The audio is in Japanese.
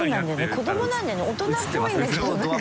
こどもなんだよね大人っぽいんだけどなんか。